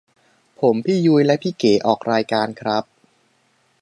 ผมพี่ยุ้ยและพี่เก๋ออกรายการครับ